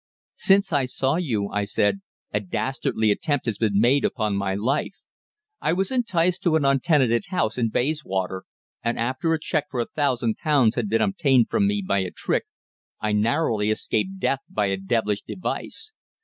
"Since I saw you," I said, "a dastardly attempt has been made upon my life. I was enticed to an untenanted house in Bayswater, and after a cheque for a thousand pounds had been obtained from me by a trick, I narrowly escaped death by a devilish device.